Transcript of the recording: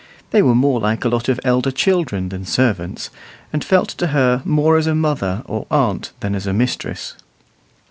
They were more like a lot of elder children than servants, and felt to her more as a mother or aunt than as a mistress.